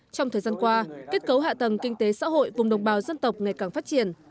trong thời gian qua kết cấu hạ tầng kinh tế xã hội vùng đồng bào dân tộc ngày càng phát triển